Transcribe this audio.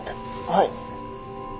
はい。